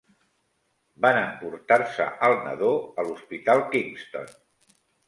Van emportar-se al nadó a l'Hospital Kingston.